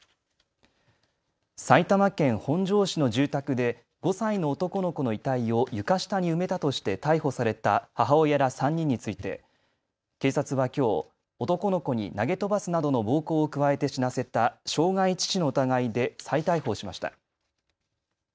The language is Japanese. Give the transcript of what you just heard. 埼玉県本庄市の住宅で５歳の男の子の遺体を床下に埋めたとして逮捕された母親ら３人について警察はきょう、男の子に投げ飛ばすなどの暴行を加えて死なせた傷害致死の疑いで再逮捕しました。